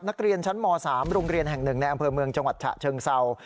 นักเรียนชั้นม๓โรงเรียนแห่งหนึ่งในอำเภอเมืองจังหวัดฉะเชิงเศร้า